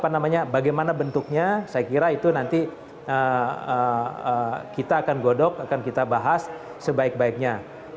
bagaimana bentuknya saya kira itu nanti kita akan godok akan kita bahas sebaik baiknya